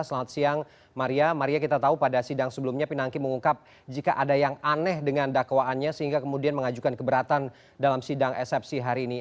selamat siang maria maria kita tahu pada sidang sebelumnya pinangki mengungkap jika ada yang aneh dengan dakwaannya sehingga kemudian mengajukan keberatan dalam sidang eksepsi hari ini